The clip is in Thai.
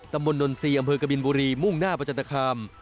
ตำบลนน๔อำเภอกบิลบุรีมุ่งหน้าประจันตคาม